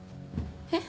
えっ？